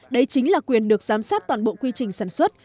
đây chính là quyền được giám sát toàn bộ quy trình sản xuất